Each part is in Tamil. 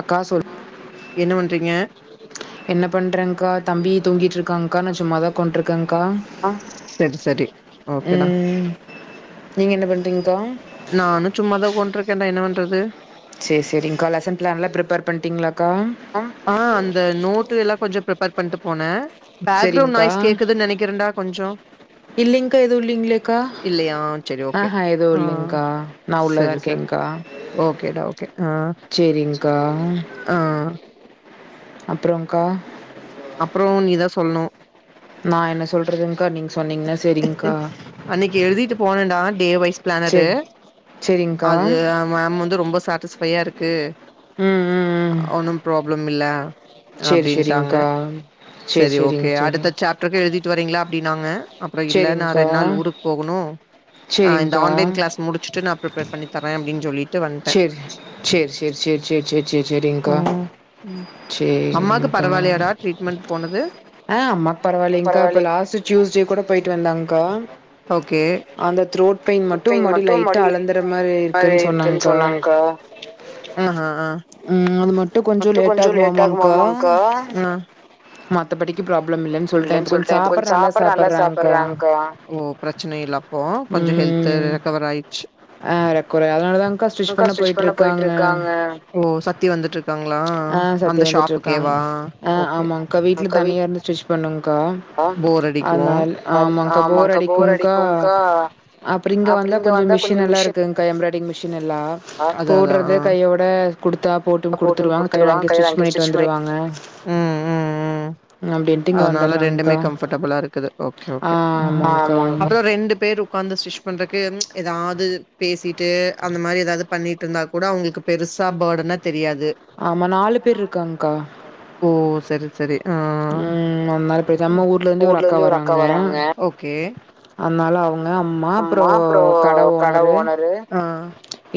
அக்கா சொல், என்ன பண்றேன்கா தம்பி தூங்கிட்டு இருக்கங்க்கா, நா சும்மாதா உட்கான்ட்ருக்கேன்கா. ம் நீங்க என்ன பண்றீங்க்கா ன்றது சேரி சேரிங்க்கா லெசன் ப்ளான்லா ப்ரிப்பேர் பன்டிங்களா ஹம் ஆ அந்த நோட்டு எல்லா கொஞ்சோ பிரிப் ப்பர் பண்ட்டு போனே பேக்ரவுண்ட் நாய்ஸ் கேக்குதுன்னு நெனைக்கிறேன்டா கொஞ்சம் இல்லையா சரி ஓகே ஆ சரி சரி ஓகேடா ஓகே ஆ, ஆ. அப்புறோங்க்கா அப்புறோ நீதா சொல்லுணு ந என்ன சொல்றதுங்க்கா நீங்க சொன்னீங்கன்னா செரிங்க்கா. நாலா டே வை பிளானரு. அது ஆம் ம் வந்து ரொம்ப சாட்டிஸ்ஃபையா இருக் கு ஒன்னும் ப்ராப் ளம் இல்ல அப்டின்டாங்க சரி ஓகே அடுத்த சாப்டருக்கு எழுதிட்டு வரீங்களா. அப்டினாங்க அப்புறம் இல்ல நா ரெண்டு நாள் ஊருக்கு போகணு. அ இந்த ஆன்லைன் கிளாஸ் முடிச்சுட்டு நா பிரிப்பேர் பண்ணி தரே அப்டின்னு சொல்லிட்டு வந்ட்டே. ம், ம் அம்மாக்கு பரவாலயாடா ட்ரீட்மென்ட் போனது. போயிட்டு வந்தாங்க்கா. அந்த த்ரோட் பெயின் மட்டும் முன்னாடி லைட்டா அழுந்துற மாரி இருக்குனு சொன்னாங்க்கா. ம் ஆம மட்டும் கொஞ்சம் லேட் ஆகுமாமாங்க்கா. மத்தபடி தி ப்ராப்ளம் இல்லன்னு சொல்ட்டே இப்ப கொஞ்சோ சாப்பாடு நல்லா சாப்ட்றாங் உம் பிரச்சனயில்ல அப்போ கொஞ்சோம் ஹெல்த்து கவர் ஆயிருச்சு ஓ சக்தி வந்துட்டுடிருக்காங்களா அந்த ஷாப்புகேவா ஓகே கவி பண்ணுங்கா ஆனால் ஆமாகா போர் அடிக்கும்கா அப்டி இங்க வந்தா கொஞ்சோ மிஷின் எல்லா இருக்குங்கா எம்ப்ராய்டிங் மிஷின் எல்லா போட்றது கையோட குடுத்தா போட்டும் குடுத்துருவாங்க கையோட அங்கேயே ஸ்டிச் பண்ணிட்டு வந்துடுவாங்க அப்டின்ட்டு இங்கே வந்துடுறாங்கா ஒகை ஒகே ம் அப்றோ ரெண்டு பேரு ஒக்காந்து ஸ்டிச் பண்றக்கே ம் ஏதாவது பேசிட்டு அந்த மாரி ஏதாவது பண்ணிட்டு இருந்தா கூட அவுங்களுக்கு பெருசா பேர்டனா தெரியாது து ஓ செரி செரி உம் அதனால பேசமா ஊர்லயிருந்து ஒரு அக்கா வராங்க அதனால அவுங்க அம்மா அப்றோ கட‌ ஓனரு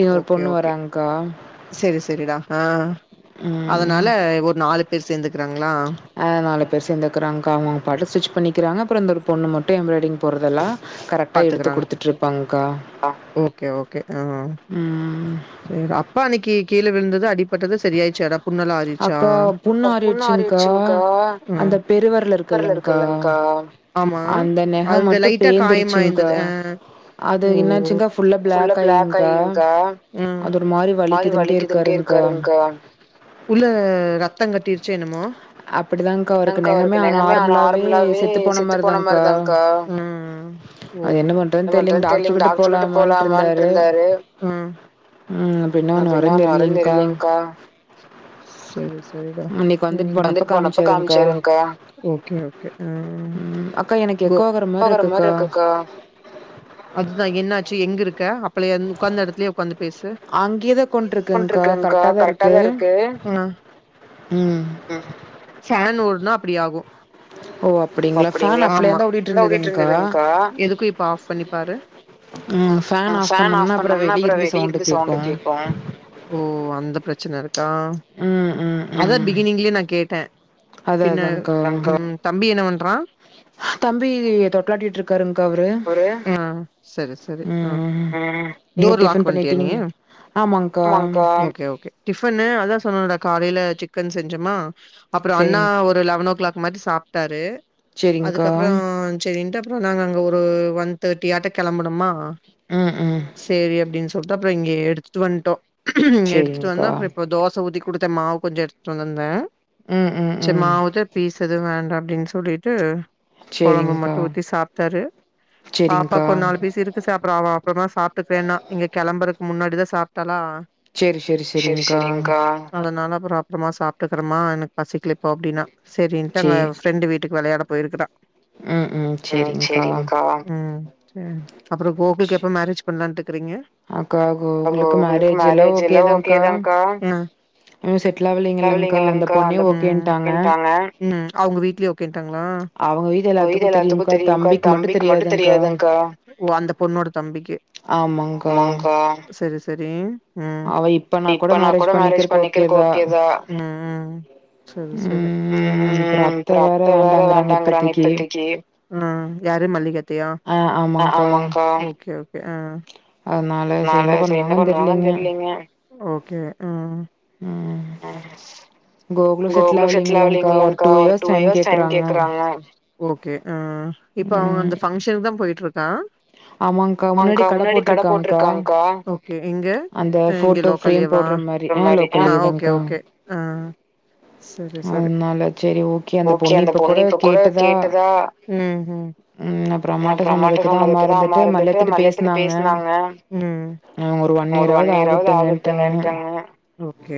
இன்னொரு பொண்ணு வரங்கா ஆஹ் அதனால ஒரு நாலு போய் சேந்து ஆஹ் நாலு பேர் சேர்ந்துக்கறாங்கா அவுங் பாட்டல ஸ்டிச் பண்ணிக்கறாங்க அப்புறோ இந்த ஒரு பொண்ணு மட்டு எம்ராய்டிங் போறட்றதெல்லா கரெக்டா எடுத்து குடுத்துட்டுருப்பாங்கா செரிடா அப்பா அன்னைக்கி கீழ விழுந்தது அடிப்பட்டது செரியாயிடுச்சாடா புண்ணல்லா ஆறிர்ச்சா புண் ஆறிருச்சுங்க்கா ம் பெருவிரல் இருக்குலங்க்கா ஆமா அங்க லைட்டா காயம்மாய்ருந்தது ஆ ஒ ஃபுல்லா பிளாக்காயிங்க்கா ம் மாறி வலிக்குதுன்ட்டே இருக்காருங்கா உள்ள ரத்த கட்டிருச்சோ என்னமோ தா க்கா அவருக்கு நெகமே நார்மலாவே செத்து போன மாரிதா கா ம் ம் ஓ என்ன பண்றதுன் தெரிலங் டாக்டரு கிட்ட போலாமான்ட்டு இருந்தாரு ம் ம் பின்ன ஒண்ணு வருன் தெரிலேங்க்கா எஸ் செரிடா ம் வந்துட்டுப் போனப்ப காமிச்சாருங்க்கா ஓகே ஓகே ம் கோ எக்கே மாரி இருக்குக்கா அது தா என்னாச்சு எங்க இருக்க அப்பல என்னு ஒக்காந்த எடத்துலியே ஒக்காந்து பேசு அங்கே‌ தா உக்கான்ட்ருக்கே கா கரெட்டா தா இருக்கு ஆ ம் ஃபேன் ஓடுனா அப்டி ‌ஆகு ஓ அப்டிங்களா காணா ஆமா நல்லா ஓடிட்டிருந்ததுங்க்கா எதுக்கு இப்ப ஆஃப் பண்ணி பாரு ஆ ஃபேன் ஆஃப் பண்ணம்ணா அப்றோ வெளிலயிருந்து சவுண்டு கேக்குகு ஓ அந்த பிரச்சன இருக்கா அதா பிகிணிங்லே நா கேட் கேட்ட பின்ன தம்பி என்ன வந்த் அப்றோ தம்பி தொட்லாடிட்டு இருக்காருங் அவரு ஆ செரி செரி ஆ டோர் லாக் பண்ணிட்டீயா நீயி ஆமாங்கா ஒகே ஒகே டிபனு அதா சொன்னேன்ல காலையில சிக்கன் செஞ்சேமா அப்புறோ அண்ணா ஒரு லெவன் ஓ கிளாக் மதி சாப்ட்டாரு அதுக்கப்புறோ செரின்ட்டு நாங்க அங்க ஒர்க் ஒரு ஒன் தேட்டி ஆட்டா கெளம்பணுமா செரி அப்படின் சொ சொல்ட்டு அப்புறோ இங்க எடுத்துட்டு வந்துட்டோ எடுத்துட்டு வந்தா அப்றோ இப்ப தோச ஊத்தி குடுத்த மாவு கொஞ்சோ எடுத்துட் வந்துருந்தே செர் மாவுதே பேசது வேண்டா அப்டின் சொல்லிட்டு கொழம்பு மட்டு ஊத்தி சாப்ட்டாரு பாப்பாக்கு ஒரு நாலு பீசு இருக்கு சாப் அப்ற அவ அப்றமா சாப்ட்டுப்பேனா இங்க கெளம்பறக்கு முன்னாடிதா சாப்ட்டாலா செரி செரிங் க்கா அப்புற அப்புறமா சாப்ட்டுக்கறமா எனக்கு பசிக்கல இப்போ அப்டின்னா செரின்ட்டு அங்க ஃப்ரெண்டு வீடு டுக்கு வெளையாட போயிருக்குறா ம் ம் சேரிங் க்கா ம் சேரி அப்புற கோகுலுக்கு எப்ப மேரேஜ் பண்லான் இருக்கீங்க ம் ம் அவங்க வீட்டுலஓகே அவங்க வீட்டு எல்லாத்துக்கு தெரியுகா தம்பிக்கு மட்டும தெரி ஓ அந்த பொண்ணோட தம்பிக்கு சரி சரி சரி இப்பனா கூட மேரேஜ் பண்ணிக்கிறக்கு ஓகே தா இப்ப அத்த வேற வேண்டாங்றாங்க இப்பத்திக்கு ம் யாரு மல்லி [unintelligible] அத்தையா ஆமாங்கா ஓகே ஓ ஆஹ் அதனால செரி என்ன பண்ணுவாங்கன்னு தெரியலீங்க ஓகே ம் ம் கோகுலும் செட்டிலாவிலிங்க்ளாகா ஒரு டூ இயர்ஸ் டைம் கேக்குறாங்க ஓகே ம் இப்ப அவங்க அந்த ஃபங்க்ஷன்க்கு தான் போய்டு இ ஆ ஆமாங்கா முன்னாடி கட போட்டுருக்காங்கா ஓகே எங்க ஆ இங்க லோக்கலேவா [unintelligible] ஆ ஓ ஓகே ஓகே ஆஹ் சரி சரி ஓகே அந்த பொண்ணு இப்ப கூட கேட்டு தான் ம் ம் அப்பறமேட்டு சொன்னது அம்மா இருந்துட்டு மல்லி அத்தட பேசனாங்க ம் ஒரு ஒன் இயராது ஆகட்டும்தான் ஓகே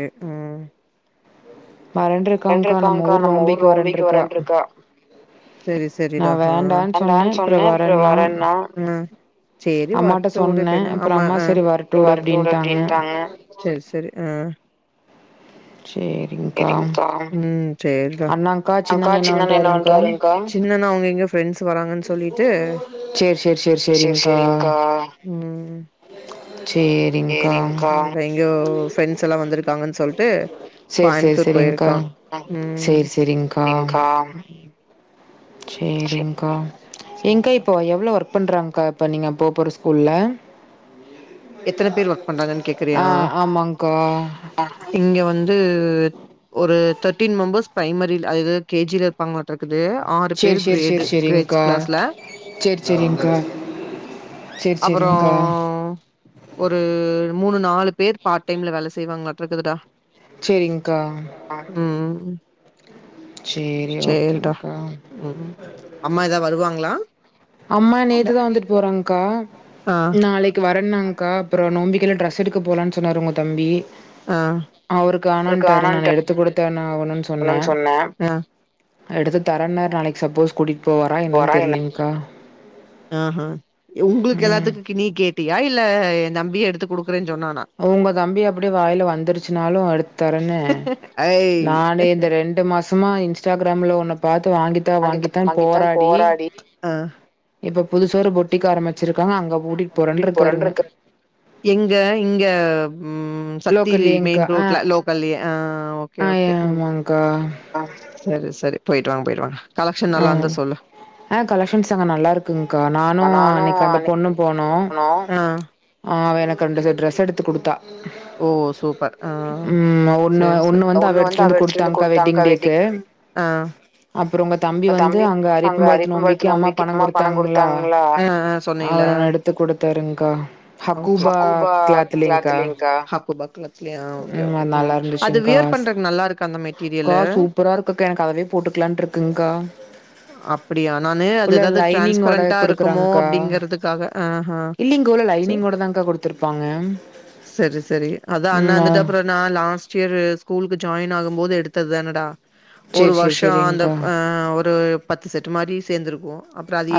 சரி சரிடா ஆஹ் ஆஹ் சேரி வர்ட்டு உடு இப்பென்ன அம்மா ஆ சரி சரி ஆஹ் ம் சரிடா சிண்ணன்ன அவுங்க எங்கயோ ஃப்ரண்ட்ஸ் வராங்கன் சொல்லிட்டு ம் சேரிங்கா எங்கோ ஃப்ரெண்ட்ஸ் எல்லாம் வந்திருக்காங்கன் சொல்ட்டு கோயம்த்தூர் போயிருக்கான் உம் சரிங்கா சேரிங்க்கா ஏங்கா இப்போ எவ்ளோ ஒர்க் பண்றாங்க்கா இப்ப நீங்க போ போற ஸ்கூல்ல எத்தனை பேர் ஒர்க் பண்றாங்கன்னு கேக்குறியா ஆ ஆமாங்க்கா இங்க வந்து வந்து ஒரு தேர்ட்டீன் மெம்பர்ஸ் ப்ரைமரி அது கே ஜி ல இருப்பாங்க லாட்டிருக்குது சேரி சேரி சேரி சேரி சேரிங்க்கா சேரி சேரிங்க்கா அப்புறம் ஒரு மூணு நாலு பேர் பார்ட் டைம்ல வேலை செய்வாங்களாட்டு இருக்குதுடா சேரிங்கா உம் உம் சேரிடா உம் அம்மா ஏதா வருவாங்களா அம்மா நேத்துதான் வந்துட்டு போறங்கக்கா நாளைக்கு வரன்னாங்க்கா அப்புறம் நோம்பிக்கைல ட்ரஸ் எடுக்க போலாம்னு சொன்னாருங்க தம்பி அவருக்கு வேணான்டாரு நா எடுத்து கூடுத்தே ஆவணும்னு சொன்னே எடுத்து தரேன்னார் நாளைக்கு சப்போஸ் கூட்டிட்டு போவாரா என்னன்னு தெர்லிங்கா ஆஹா எ உங்களுக்கு எதாது கினி கேட்டியா இல்ல நம்பி எடுத்து உங்க தம்பி அப்டே வாயில வந்துருச்சுனாலு அடுத் தரன்னு நானே இந்த ரெண்டு மாஸ் மா இன்ஸ்டாக்ராம்ல உன்ன பாத் த்து வாங்கித்தா வாங்கித்தான் போராடி இப்போ எங்க இங்க ம் சத்திரி மெயின் ரோட்ல லோக்கல்லியே ஆ ஓகே ஓகே சரி செரி போய்ட்டு வாங்க போய்ட்டு வாங்க ம் ஆ கலெக்ஷன்ஸ் அங்க நல்லாருக்குங் க்கா நானு அன்னைக் அந்த பொண்ணு போனோ ஆ அவ எனக்கு ரெண்டு செட் ட்ரெஸ் எடுத்து குடுத்தா ஓ சூப்பர் ஆஹா சரி சரி [unintelligible] தம்பி வந்து அங்க அரிப்பம் [unintelligible] நோம்பிக்கி அம்மா பண குடுத்தாங்ளா அவரு எடுத்து குடுத்தாருங் க்கா ஹக்கூபா கிளாத்லிங் க்கா ம் அத் நல்லாருந்துச்சுங் க்கா கா சூப்பராருக்குக்கா எனக்கு அதவே போட்டுக்கலான்ட்ருக்குங் அப்டியா நானு அது எதாது ட்ரான்ஸ்பரண்டாருக்குமோ அப்டிங்கறதுக்காக ஆ ஹா சரி சரி அதா அண்ணாந்துட்டு அப்றோ நா லாஸ் சேர்ரு ஸ்கூல்க்கு ஜாயின் ஆகும்போது எடுத்தது தானடா ஒரு வர்ஷோ அந்த ஆ ஒரு பத்து செட்டு மாரி சேந்துருக்கு அப்ற அதே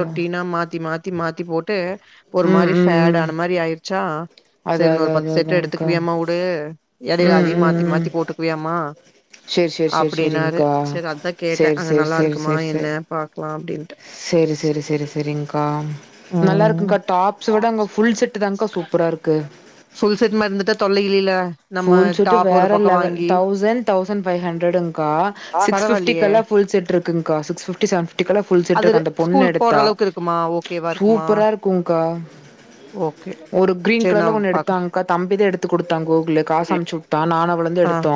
ரொட்டின்னா மாத்தி மாத் த்தி மாத்தி போட்டு ஒரு மாரி ஃபேட் ஆன மாரி ஆயிர்ச்சா சரின் ஒரு பத்து செட் எடுத்துக்வியமா உடு எடையில அதியு மாத்தி மாத்தி போட்டுகுவியாம்மா சேரி சேரி சேரி சேரின்கா கேட்ட அங்க நல்லா இருக்குமா என்ன பாக் ஆம் டின்ட்டு சேரி சேரி சேரி ஆ [unintelligible] ஃபுல் செட் மாரி இருந்துட்டா தொல்லை இல்லே இல்ல புல் செட்டு வேற லெவல் தௌசண்ட் தௌசண்ட் பைவ் ஹண்ரடுங்கா சிக்ஸ் ஃபிப்டி [unintelligible] ஃபுல் செட் இருக்குங்கா சிக்ஸ் ஃபிப்டி செவன் ஃபிப்டி எல்லா ஃபுல் செட் இருக்கு அந்த பொண்ணு எடுத்தா சூப்பரா இருக்குங்கா கா ஒரு கிரீன் கலர்ல ஒன்னு எடுத்தாங்கக்கா தம்பிதா எடுத்து குடுத்தாங் கோகுலு காசு அனுப்பிச்சுவுட்டா நானு அவளு தா எடுத்தோ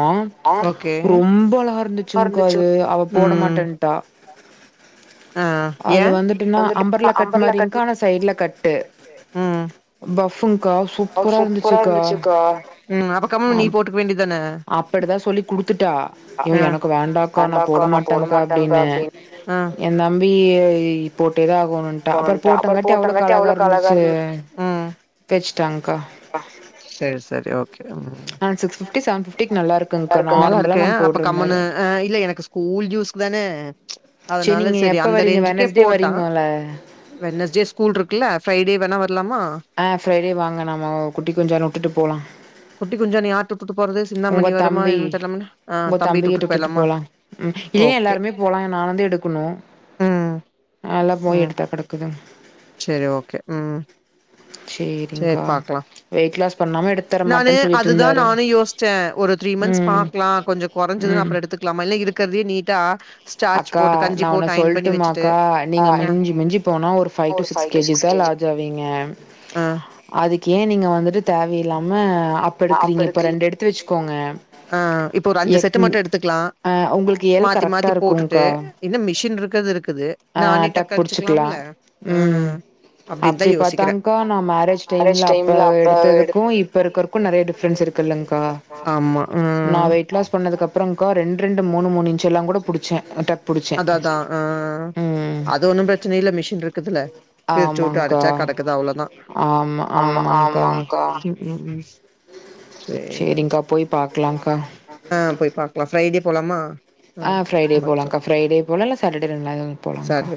ரொம்ப அழகா இருந்துச்சுங்கா அது அவ போடமாட்டேன்டா அது வந்துட்டுன்னா அம்பர்ல கட் மாரிங்கா ஆனா சைடு்ல கட்டு பஃபூன்கா சூப்பரா இருந்துச்சுக்கா ஆ அப்படிதா சொல்லி குடுத்துட்டா இவ எனக்கு வேண்டாக நா போட மாட்டேன்கா அப்பிடினு எ [unintelligible] தம்பியேய் போட்டேதா போனுண்டா அப்புறோ போட்டங்கட்டி அவளுக்கு அழகா இருந்துச்சு ம் தேச்சிட்டாங்க சேரி சேரி ஓக்கே ஆ நல்லா இருக்கு நல்லா இருக்கு அப்ப கம்முனு ஆ இல்ல எனக்கு ஸ்கூல் யூசுக்கு தானே சேரி நீங்க எப்ப வரீங்க வெனஸ்டே வரீங்கோல வென்னஸ்டே ஸ்கூல் இருக்குல்ல ஃப்ரைடே ஆ ஃப்ரைடே வாங்க நம் குட்டி கொஞ்சுனேரோ விட்டுட்டு போலா குட்டி குஞ்சனா யார்ட்ட உட்டுட்டு போறது சிந்தாமணி வருமா என்னானு [unintelligible] தம்பி துட்டுட்டு போயிர்லாமா ஒக்கே உம் நல்லா பொய் எடுத்தா கடக்குது சரி ஓக்கே உம் சரி பாக்கலா நானு அதுதா நானு யோசிச்சே ஒரு த்ரீ மந்த்ஸ் பாக்கலா கொஞ்சு கொறஞ்சுனா அப்புறோ எடுத்துக்கலாமா இல்ல இருக்கிறதையே நீட் தா அக்கா நா ஒன்னு சொல்ட்டுமாக்கா நீங்க மிஞ்சி மிஞ்சி போனா ஒரு five two six K G தா லாஜ் ஆவிங்க அது இதுக்கு ஏ நீங்க வந்துட்டு தேவயில்லாம ஆஹ் இப்ப ஒரு அஞ்சு செட்டு மட்டு எடுத்துக்லா மாத்தி மாத்தி போட்டு ட்டு இன்ன மி மிஷின் இருக்கது இருக் குது நானே டக் அடிச்சுக்லாம்ல ஆஹ் அப்டின்தா யோசிக்கிறே இங்கு நெறையா டிஃப்ரன்ஸ் இருக்குல்லங்க்கா நா வெயிட் லாஸ் பண்ணதுக்கு அப்றங்க்கா ரெண் ரெண்டு மூணு மூணு இன்ச் எல்லா கூட புடிச்சே அதாதா அஹ் அது ஒன்னு பிரச்சன இல்ல மிஷின் இருக்குதுல பிரிச்சுவுட்டு அடிச்சா கெடக்குது அவ்ளோதா உம் உம்ஸ் சேரிடா ஆ போய் பாக்லா ஃப்ரைடே போலாமா ஆ ஃப்ரைடே போலாங்க்கா ஃப்ரைடே போலா இல்ல சாட்டர்டே ரெண்டு நாள் போலாங்க்கா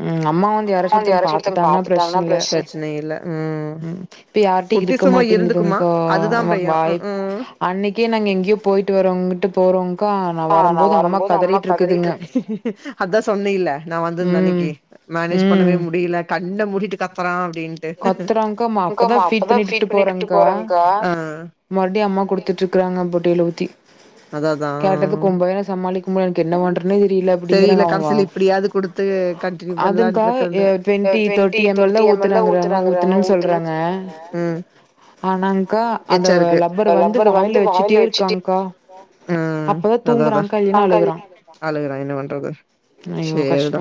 உம் அம்மா வந்து யாரச்சு ஒருத்தவ்ங்க பாத்துட்டாங்கனா பிரச்ன இல்ல உம் இப்ப யார்ட்டயு இருக்க மாட்டேங்குதுங்க்கா வ வாய் அன்னைக்கே நாங்க எங்கயோ போயிட்டு வரோ அவ்ங்கட்ட போறோங் அதா சொன்னில நா வந்து வந்தன்னைக்கு மேனேஜ் பண்ணவே முடிய்ல கண் ண்ண மூடிட்டு கத்துறா கத்துறாங்க்கா மா அப்பதா ஃபீட் பண்ணி விட்டு போறங்க்கா மறுடியு அம்மா குடுத்துட்ருக்கிறாங்க பொட்டில ஊத்தி அதா அதா ஆஹ் மாளிக் அம்மா எனக்கு என்ன பண்றதுனே தெரியல அப்டிங்கிறாங்க அவ்ங்க அதுங்க்கா எ டுவென்டி தேட்டி எம் எல் லா ஊத்த கங்கிறாங்க ஊத்தனுன் சொல்றாங்க எச்சா இருக்கு உம் அதா அதா அழுகுறா என்ன பண்றது சேரி டா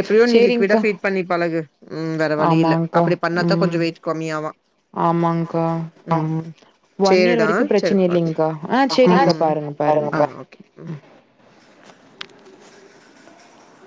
எப்டியோ நீ லிக்விடா ஃபீட் பண்ணி பழகு ம் கரவ் வழி இல்ல அப்டி பண்ணாதா கொஞ்சோ வெயிட் கம்மியாவா ஆமாங்க்கா நம் ஒன் இயர் வரைக்கு பிரச்சன இல்லைங்க்கா ஆ சேரிங்க்கா பாருங்க பாருங்க்கா